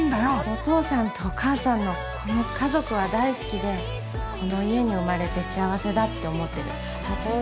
お父さんとお母さんのこの家族は大好きでこの家に生まれて幸せだって思ってるたとえ